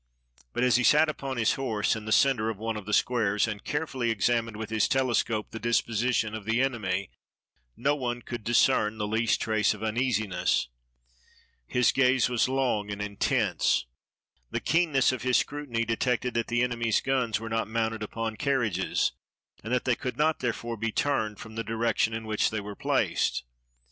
But as he sat upon his horse, in the center of one of the squares, and carefully examined with his telescope the disposition of the enemy, no one could discern the least trace of uneasiness. His gaze 223 EGYPT was long and intense. The keenness of his scrutiny de tected that the enemy's guns were not mounted upon carriages, and that they could not, therefore, be turned from the direction in which they were placed.